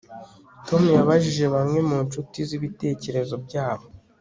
Tom yabajije bamwe mu nshuti ze ibitekerezo byabo